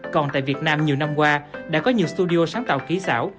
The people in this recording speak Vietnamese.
còn tại việt nam nhiều năm qua đã có nhiều studio sáng tạo kỹ xảo